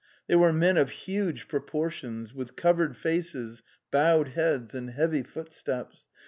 They were men of huge proportions, with covered faces, bowed heads, and heavy footsteps.